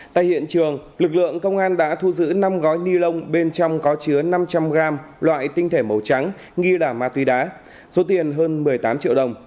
tại hiện trường lực lượng công an đã thu giữ năm gói ni lông bên trong có chứa năm trăm linh gram loại tinh thể màu trắng nghi là ma túy đá số tiền hơn một mươi tám triệu đồng